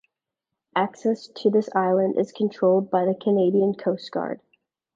Access to this island is controlled by the Canadian Coast Guard.